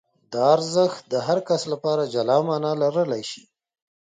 دا ارزښت د هر کس لپاره جلا مانا لرلای شي.